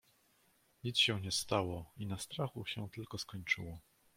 "nic się nie stało i na strachu się tylko skończyło."